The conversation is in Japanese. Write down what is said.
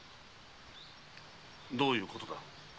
どういうことだ？